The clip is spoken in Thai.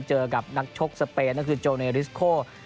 เจอกับนักชกสเปนก็คือโจเนริสโค